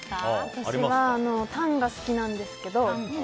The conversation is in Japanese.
私はタンが好きなんですけど。